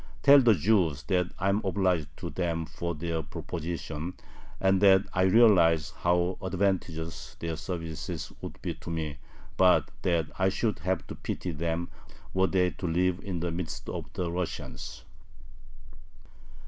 Tell the Jews that I am obliged to them for their proposition, and that I realize how advantageous their services would be to me, but that I should have to pity them were they to live in the midst of the Russians.